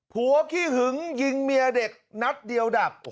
ขี้หึงยิงเมียเด็กนัดเดียวดับ